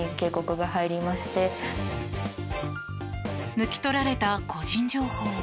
抜き取られた個人情報。